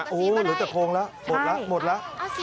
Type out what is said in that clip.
โอ้โฮหรือจะโค้งแล้วหมดแล้วหมดแล้ว